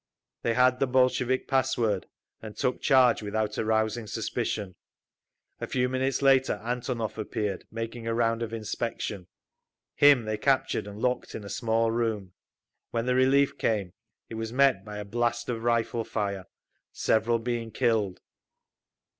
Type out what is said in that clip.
They had the Bolshevik password, and took charge without arousing suspicion. A few minutes later Antonov appeared, making a round of inspection. Him they captured and locked in a small room. When the relief came it was met by a blast of rifle fire, several being killed.